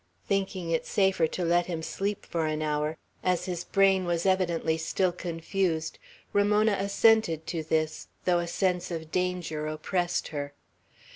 Thinking it safer to let him sleep for an hour, as his brain was evidently still confused, Ramona assented to this, though a sense of danger oppressed her.